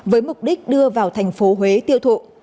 với mục đích đưa vào thành phố huế tiêu thụ